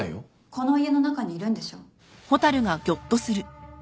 この家の中にいるんでしょ？